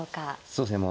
そうですね